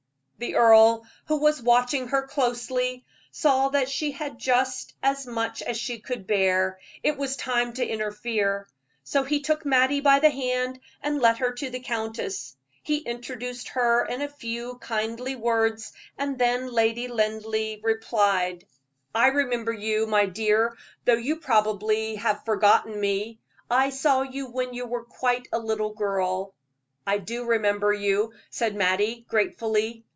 The earl, who was watching her closely, saw that she had just as much as she could bear it was time to interfere; so he took Mattie by the hand and led her to the countess. He introduced her in a few kindly words, and then Lady Linleigh replied: "I remember you, my dear, though you have probably forgotten me. I saw you when you were quite a little child." "I do remember you," said Mattie, gratefully.